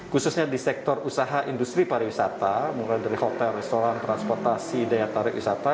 khususnya di sektor usaha industri pariwisata mulai dari hotel restoran transportasi daya tarik wisata